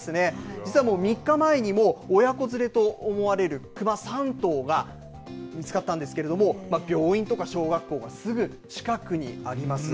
実はもう３日前にも親子連れと思われるクマ３頭が、見つかったんですけれども、病院とか小学校がすぐ近くにあります。